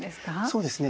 そうですね